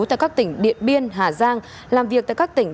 tại các tỉnh điện biên hà giang